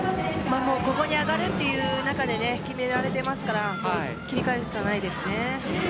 ここに上がるという中で決められてますから切り替えるしかないですね。